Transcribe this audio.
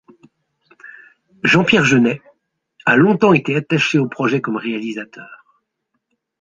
Jean-Pierre Jeunet a longtemps été attaché au projet comme réalisateur.